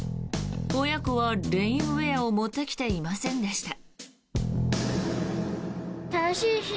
親子はレインウェアを持ってきていませんでした。